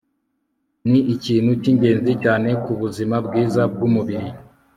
ni ikintu cyingenzi cyane ku buzima bwiza bwumubiri